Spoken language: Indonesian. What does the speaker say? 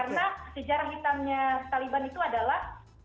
karena sejarah hitamnya taliban itu adalah